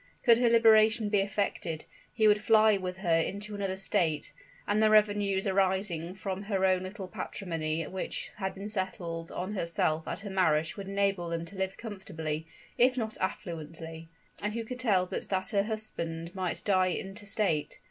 Could her liberation be effected, he would fly with her into another state; and the revenues arising from her own little patrimony which had been settled on herself at her marriage would enable them to live comfortably, if not affluently. And who could tell but that her husband might die intestate?